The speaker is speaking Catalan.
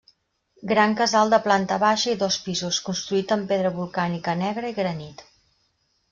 Gran casal de planta baixa i dos pisos construït amb pedra volcànica negra i granit.